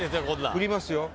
ふりますよ。